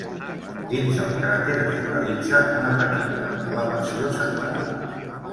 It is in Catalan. Dins del cràter es localitza una petita elevació central.